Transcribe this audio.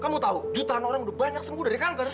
kamu tahu jutaan orang udah banyak sembuh dari kanker